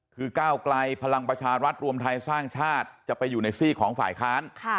คือก้าวไกลพลังประชารัฐรวมไทยสร้างชาติจะไปอยู่ในซีกของฝ่ายค้าน